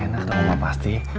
enak tuh enak pasti